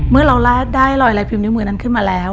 เมื่อเราได้ลอยลายพิมนิ้วมือนั้นขึ้นมาแล้ว